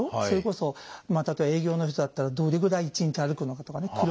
それこそ例えば営業の人だったらどれぐらい一日歩くのかとかね